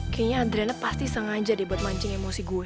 kayaknya adriana pasti sengaja deh buat mancing emosi gue